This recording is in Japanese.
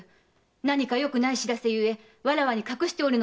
何かよくない知らせゆえわらわに隠しておるのでは？